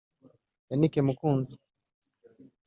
Yannick Mukunzi